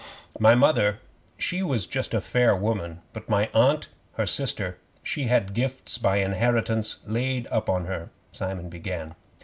'My Mother, she was just a fair woman, but my Aunt, her sister, she had gifts by inheritance laid up in her,' Simon began.